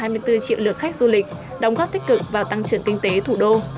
hà nội đã tổ chức hơn hai mươi bốn triệu lượt khách du lịch đóng góp tích cực vào tăng trưởng kinh tế thủ đô